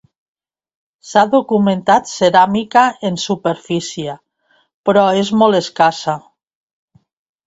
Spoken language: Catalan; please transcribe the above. S'ha documentat ceràmica en superfície, però és molt escassa.